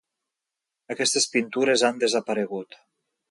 Aquestes pintures han desaparegut.